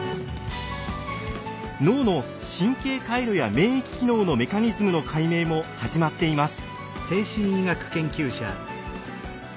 脳の神経回路や免疫機能のメカニズムの解明も始まっています。